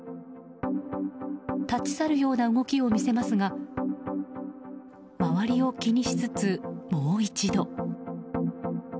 立ち去るような動きを見せますが周りを気にしつつ、もう一度。